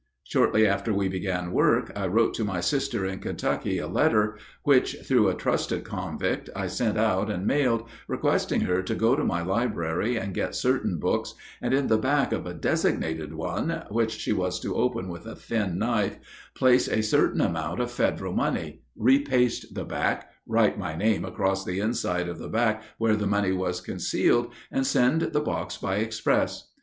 Shortly after we began work I wrote to my sister in Kentucky a letter, which through a trusted convict I sent out and mailed, requesting her to go to my library and get certain books, and in the back of a designated one, which she was to open with a thin knife, place a certain amount of Federal money, repaste the back, write my name across the inside of the back where the money was concealed, and send the box by express.